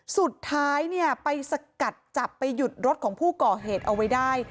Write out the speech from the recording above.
สุดท้ายเนี่ยไปสกัดจับไปหยุดรถของผู้ก่อเหตุเอาไว้ได้